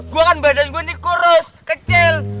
gua kan badan gua ini kurus kecil